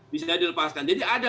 bisa dilepaskan jadi ada